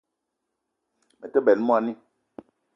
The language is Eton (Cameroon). Me te benn moni